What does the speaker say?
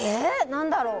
何だろう？